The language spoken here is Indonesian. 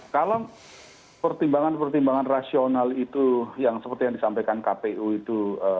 kalau pertimbangan pertimbangan rasional itu yang seperti yang disampaikan kpu itu